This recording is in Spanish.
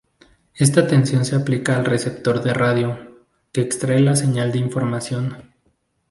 Esta tensión se aplica al receptor de radio, que extrae la señal de información.